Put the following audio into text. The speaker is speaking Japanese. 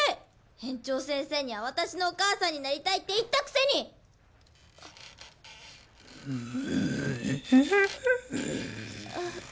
園長先生には私のお母さんになりたいって言ったくせに！うう！あっ。